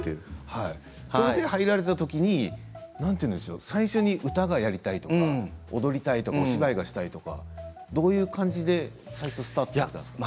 入られたとき最初に舞台がやりたいとか踊りたいお芝居がしたいとかどういう感じでスタートされたんですか。